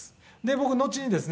「僕のちにですね